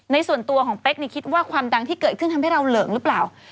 ส่วนตัวของเป๊กคิดว่าความดังที่เกิดขึ้นทำให้เราเหลิงหรือเปล่า